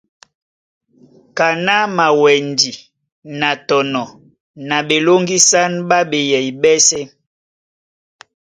Kaná mawɛndi na tɔnɔ na ɓelóŋgísán ɓá beyɛy ɓɛ́sɛ̄.